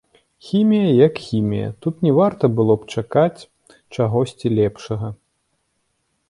Хімія як хімія, тут не варта было б чакаць чагосьці лепшага.